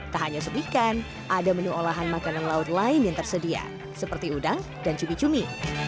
tak hanya sup ikan ada menu olahan makanan laut lain yang tersedia seperti udang dan cumi cumi